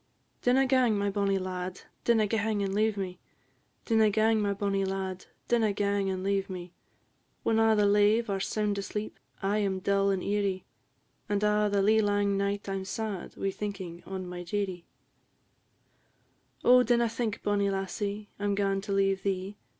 "Dinna gang, my bonnie lad, dinna gang and leave me; Dinna gang, my bonnie lad, dinna gang and leave me; When a' the lave are sound asleep, I 'm dull and eerie; And a' the lee lang night I 'm sad, wi' thinking on my dearie." "Oh, dinna think, bonnie lassie, I 'm gaun to leave thee!